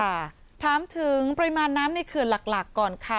ค่ะถามถึงปริมาณน้ำในเขื่อนหลักก่อนค่ะ